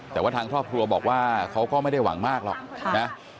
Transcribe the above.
แต่ว่าทางครอบครัวบอกว่าเขาก็ไม่ได้หวังมากหรอกนะ